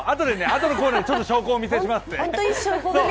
あとのコーナーでちょっと証拠をお見せしますね。